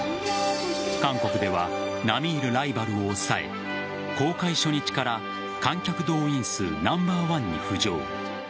韓国では並み居るライバルを抑え公開初日から観客動員数ナンバーワンに浮上。